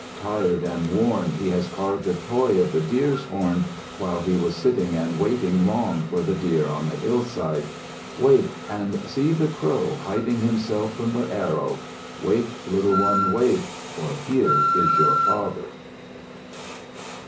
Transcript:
Tired and worn, he has carved a toy of the deer's horn, While he was sitting and waiting long for the deer on the hillside. Wake and see the crow, hiding himself from the arrow! Wake, little one, wake, for here is your father!"